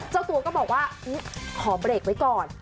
เจ้าตัวก็บอกว่าขอเบรกไว้ก่อน